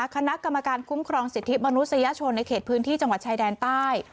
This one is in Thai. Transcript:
คณะกรรมการคุ้มครองสิทธิมนุษยชนในเขตพื้นที่จังหวัดชายแดนใต้